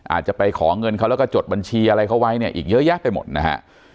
อาจจะไปขอเงินเขาแล้วก็จดบัญชีอะไรเขาไว้เนี่ยอีกเยอะแยะไปหมดนะฮะ